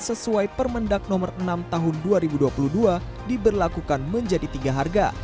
sesuai permendak nomor enam tahun dua ribu dua puluh dua diberlakukan menjadi tiga harga